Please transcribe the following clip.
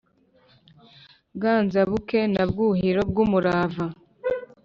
Bwanzabuke na Bwuhiro bw’ umurava,